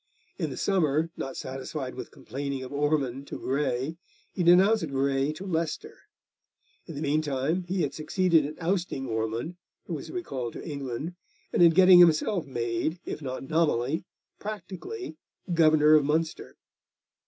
In the summer, not satisfied with complaining of Ormond to Grey, he denounced Grey to Leicester. In the meantime he had succeeded in ousting Ormond, who was recalled to England, and in getting himself made, if not nominally, practically Governor of Munster.